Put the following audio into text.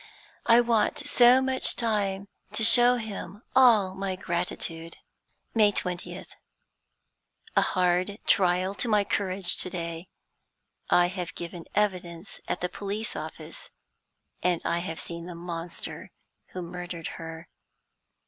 I want so much time to show him all my gratitude! May 20th. A hard trial to my courage to day. I have given evidence at the police office, and have seen the monster who murdered her.